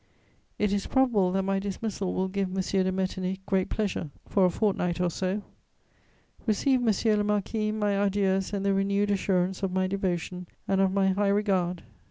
It is probable that my dismissal will give M. de Metternich great pleasure, for a fortnight or so. "Receive, monsieur le marquis, my adieus and the renewed assurance of my devotion and of my high regard.